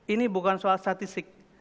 ini bukan soal statistik